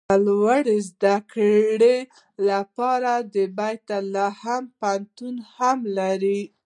د لوړو زده کړو لپاره د بیت لحم پوهنتون هم لري.